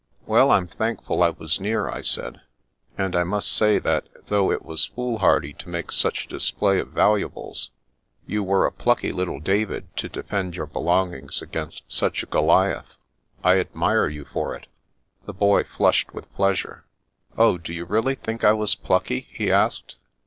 " Well, I'm thankful I was near," I said. " And I must say that, though it was foolhardy to make such a display of valuables, you were a plucky little David to defend your belongings against such a Goliaih. I admire you for it." The boy flushed with pleasure. "Oh, do you really think I was plucky ?" he asked.